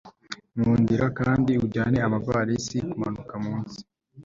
nkundira kandi ujyane amavalisi kumanuka munsi